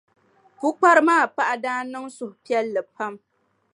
Pukpara maa paɣa daa niŋ suhupiɛlli pam.